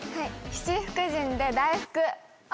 七福神で「大復」。